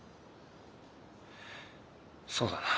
そうだな。